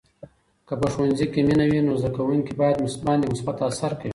که په ښوونځي کې مینه وي، نو زده کوونکي باندې مثبت اثر کوي.